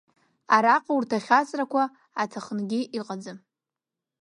Араҟа урҭ ахьаҵрақәа аҭахынгьы иҟаӡам.